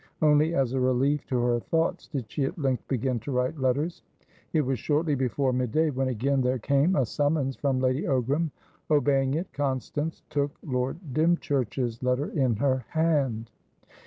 Only as a relief to her thoughts did she at length begin to write letters. It was shortly before mid day when again there came a summons from Lady Ogram; obeying it, Constance took Lord Dymchurch's letter in her hand.